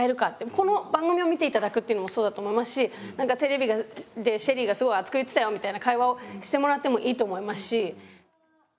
この番組を見て頂くっていうのもそうだと思いますし「なんかテレビでＳＨＥＬＬＹがすごい熱く言ってたよ」みたいな会話をしてもらってもいいと思いますし。